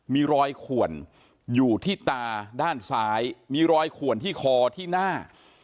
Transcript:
มีรอยขวนอยู่ที่ตาด้านซ้ายมีรอยขวนที่คอที่หน้า